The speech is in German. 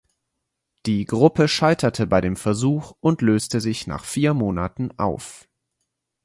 Die Gruppe scheiterte bei dem Versuch und löste sich nach vier Monaten auf.